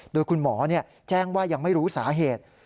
โดยคุณหมอแจ้งว่ายังไม่รู้สาเหตุ